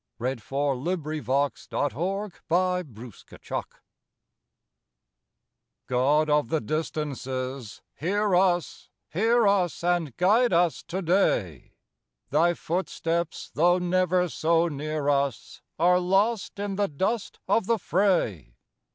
63 GOD OF THE DISTANCES, HEAR US I God of the Distances, hear us— Hear us and guide us today. Thy footsteps, though never so near us, Are lost in the dust of the fray.